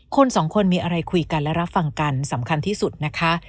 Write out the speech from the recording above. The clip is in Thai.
คนสองคนมีอะไรคุยกันและรับฟังกันสำคัญที่สุดนะคะ